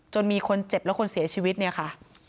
มีคนเจ็บและคนเสียชีวิตเนี่ยค่ะ